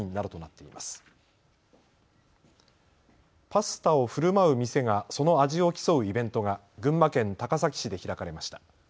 パスタをふるまう店がその味を競うイベントが群馬県高崎市で開かれました。